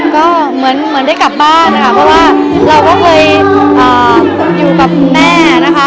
ก็เหมือนได้กลับบ้านนะคะเพราะว่าเราก็เคยอยู่กับแม่นะคะ